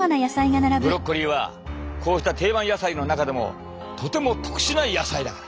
ブロッコリーはこうした定番野菜の中でもとても特殊な野菜だから。